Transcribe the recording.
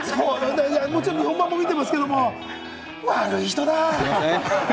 もちろん日本語版も見てるけど、悪い人だ！